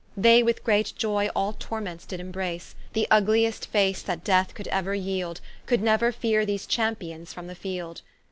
They with great joy all torments did imbrace: The vgli'st face that Death could euer yeeld, Could neuer feare these Champions from the field.